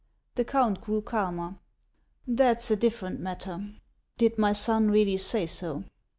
The count grew calmer. " That 's a different matter. Did my son really say so